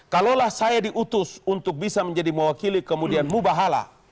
kalaulah saya diutus untuk bisa menjadi mewakili kemudian mubahala